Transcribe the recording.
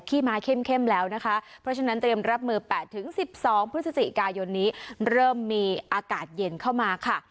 ้ม้าเข้มแล้วนะคะเพราะฉะนั้นเตรียมรับมือ๘๑๒พฤศจิกายนนี้เริ่มมีอากาศเย็นเข้ามาค่ะ